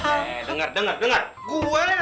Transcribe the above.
heeh dengar dengar dengar